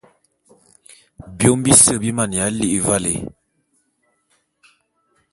Biôm bise bi maneya li'i valé.